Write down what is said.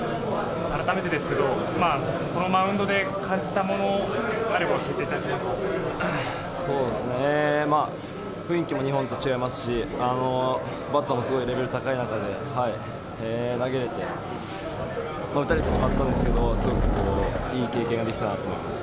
改めてですけど、このマウンドで感じたもの、そうですねぇ、雰囲気も日本と違いますし、バッターもすごいレベル高い中で投げれて、打たれてしまったんですけど、すごくいい経験ができたなと思います。